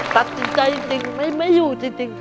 ตัดจริงจริงไม่อยู่จริง